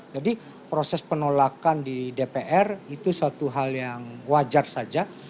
jadi proses penolakan di dpr itu suatu hal yang wajar saja